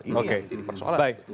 ini yang jadi persoalan